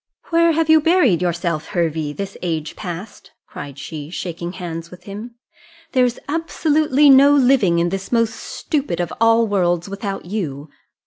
"Where have you buried yourself, Hervey, this age past?" cried she, shaking hands with him: "there's absolutely no living in this most stupid of all worlds without you.